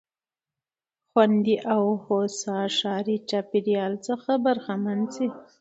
خوندي او هوسا ښاري چاپېريال څخه برخمن سي.